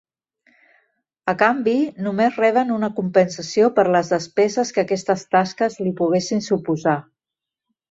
A canvi només reben una compensació per les despeses que aquestes tasques li poguessin suposar.